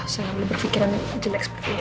saya mulai berpikiran jelek sepertinya